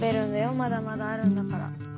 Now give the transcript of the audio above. まだまだあるんだから。